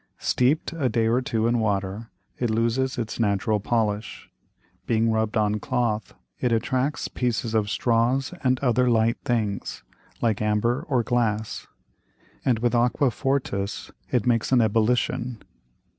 Steep'd a Day or two in Water, it loses its natural Polish. Being rubb'd on Cloth, it attracts pieces of Straws and other light things, like Ambar or Glass; and with Aqua fortis it makes an Ebullition.